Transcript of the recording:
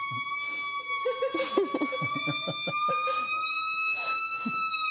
フフフフ。